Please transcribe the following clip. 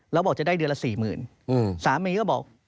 แล้วบอกจะได้เดือนละ๔๐๐๐สามีก็บอก